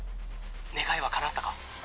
願いは叶ったか？